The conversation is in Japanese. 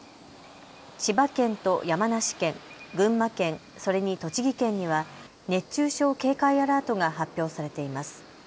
千葉県と山梨県、群馬県、それに栃木県には熱中症警戒アラートが発表されています。